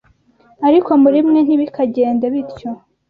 Ariko muri mwe ntibikagende bityo